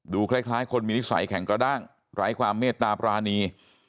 คล้ายคนมีนิสัยแข็งกระด้างไร้ความเมตตาปรานี